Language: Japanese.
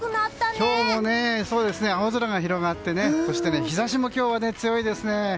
今日も青空が広がってそして日差しも今日は強いですね。